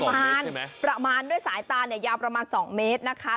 ของประมาณด้วยสายตายาวประมาณ๒เมตรนะคะ